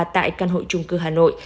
tại căn hộ trung cư hà nội